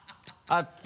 あった！